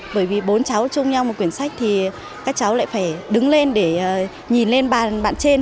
bởi vì bốn cháu chung nhau một quyển sách thì các cháu lại phải đứng lên để nhìn lên bàn bạn trên